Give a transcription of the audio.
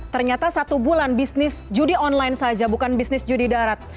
ternyata satu bulan bisnis judi online saja bukan bisnis judi darat